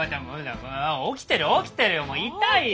起きてる起きてるよ痛いよ。